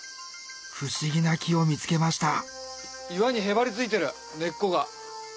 不思議な木を見つけました岩にへばりついてる根っこが。